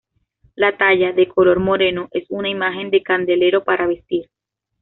La talla, de color moreno, es una imagen de candelero para vestir.